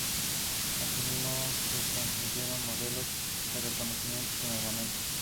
Asimismo se construyeron modelos de reconocimiento, sin armamento.